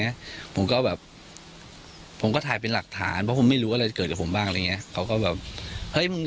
นี้ผมก็แบบผมก็ถ่ายเป็นหลักฐานว่าผมไม่รู้อะไรเกิดผมบ้างเลยเนี่ยเขาก็แบบเฮ้ยมึง